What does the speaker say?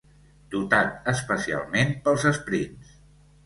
Dotat especialment pels esprints.